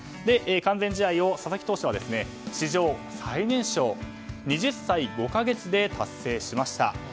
完全試合を佐々木投手は史上最年少２０歳５か月で達成しました。